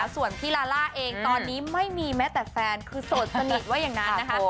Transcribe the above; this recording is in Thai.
ส่วนพี่ลาล่าเองตอนนี้ไม่มีแม้แต่แฟนคือโสดสนิทว่าอย่างนั้นนะคะ